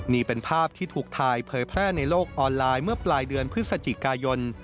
นี่เป็นภาพที่ถูกถ่ายเผยแพร่ในโลกออนไลน์เมื่อปลายเดือนพฤศจิกายน